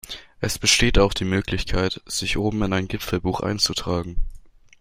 Es besteht auch die Möglichkeit sich oben in ein Gipfelbuch einzutragen.